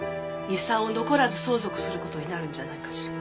遺産を残らず相続する事になるんじゃないかしら。